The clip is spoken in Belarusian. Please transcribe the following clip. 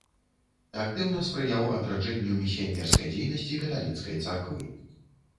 Актыўна спрыяў адраджэнню місіянерскай дзейнасці каталіцкай царквы.